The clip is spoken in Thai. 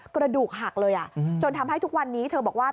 กระดูกหักเลยจนทำให้ทุกวันนี้เธอบอกว่า